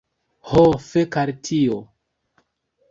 Ho fek al tio!